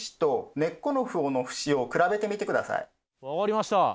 分かりました。